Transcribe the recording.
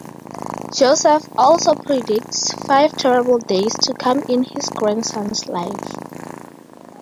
Josef also predicts five terrible days to come in his grandson's life.